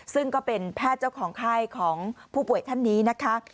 ซึ่งก็เป็นแพทย์เจ้าของไข้ของผู้ป่วยท่านนี้นะคะ